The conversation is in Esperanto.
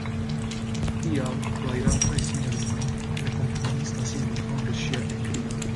Tial la irantaj sinjorinoj ne komprenis la signifon de ŝia ekkrio.